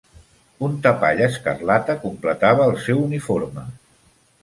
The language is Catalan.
Un tapall escarlata completava el seu uniforme.